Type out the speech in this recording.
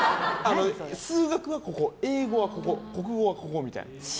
数学はここ、英語はここ国語はここみたいな。